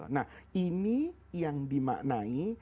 nah ini yang dimaknai